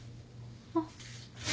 あっ。